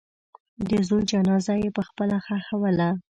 د زوی جنازه یې پخپله ښخوله.